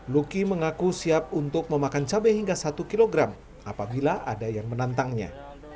luki mengaku siap untuk memakan cabai hingga satu kg apabila ada yang menantangnya